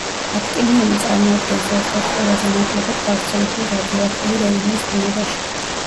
აქტინიუმი წარმოადგენს ერთ ერთ ყველაზე ნაკლებად გავრცელებულ რადიოაქტიურ ელემენტს ბუნებაში.